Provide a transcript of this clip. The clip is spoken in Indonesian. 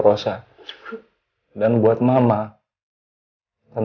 silakan arm padaiten